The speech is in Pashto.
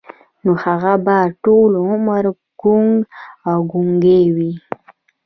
نو هغه به ټول عمر کوڼ او ګونګی و.